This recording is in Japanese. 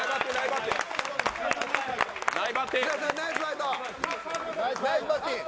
ナイスバッティング。